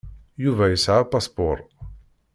Yuba yesɛa apaspuṛ.